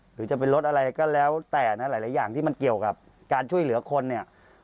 หรือจะเป็นรถอะไรก็แล้วแต่นะหลายอย่างที่มันเกี่ยวกับการช่วยเหลือคนเนี่ย